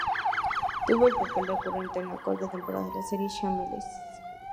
Tuvo un papel recurrente en la cuarta temporada de la serie Shameless.